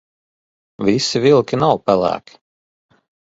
Visi vilki nav pelēki.